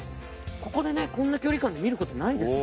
ここでねこんな距離感で見ることないです